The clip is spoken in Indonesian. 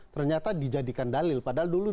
ternyata dijadikan dalil padahal dulu